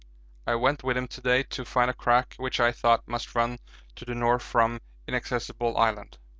I went with him to day to find a crack which I thought must run to the north from Inaccessible Island.